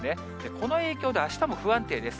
この影響で、あしたも不安定です。